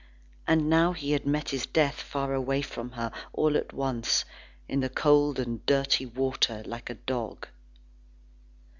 And now he had met his death far away from her, all at once, in the cold and dirty water, like a dog.